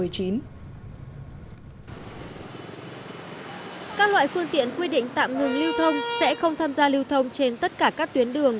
các loại phương tiện quy định tạm ngừng lưu thông sẽ không tham gia lưu thông trên tất cả các tuyến đường